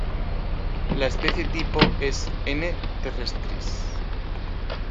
La especie tipo es "N. terrestris".